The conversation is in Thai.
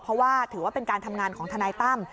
เพราะว่าถือว่าเป็นการทำงานของทนายตั้ม